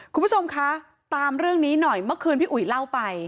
คุณผู้ชมคะตามเรื่องนี้หน่อยเมื่อคืนพี่อุ๋ยเล่าไป